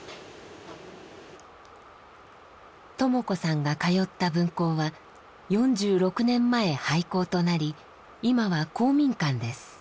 トモ子さんが通った分校は４６年前廃校となり今は公民館です。